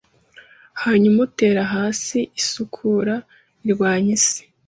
hanyuma utere hasi isukura irwanya isi.